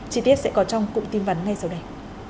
chi tiết sẽ có trong cụm tin vắn ngay sau đây